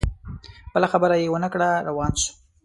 بله خبره یې ونه کړه روان سو